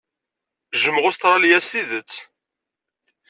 Jjmeɣ Ustṛalya s tidet.